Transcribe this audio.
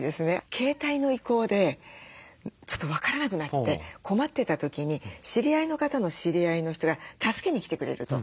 携帯の移行でちょっと分からなくなって困ってた時に知り合いの方の知り合いの人が助けに来てくれると。